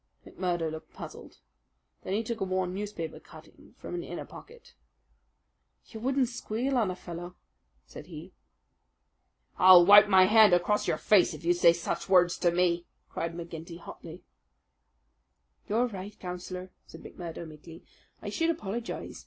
McMurdo looked puzzled. Then he took a worn newspaper cutting from an inner pocket. "You wouldn't squeal on a fellow?" said he. "I'll wipe my hand across your face if you say such words to me!" cried McGinty hotly. "You are right, Councillor," said McMurdo meekly. "I should apologize.